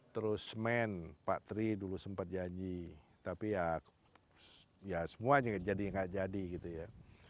terus men pak tri dulu sempat janji tapi ya ya semuanya jadi nggak jadi gitu ya